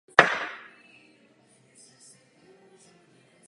Později publikoval se svoji ženou Janou.